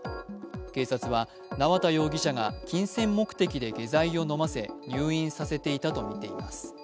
警察は、縄田容疑者が金銭目的で下剤を飲ませ入院させていたとみています。